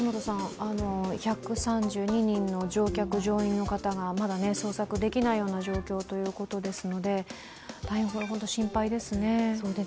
１３２人の乗客・乗員の方が、まだ捜索できないような状況ということですので大変心配ですね。